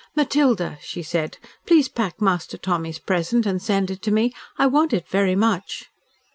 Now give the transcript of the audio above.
"Matilda," she said, "please pack Master Tommy's present and send it to me! I want it very much."